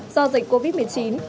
do dịch covid một mươi chín